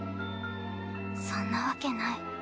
そんなわけない。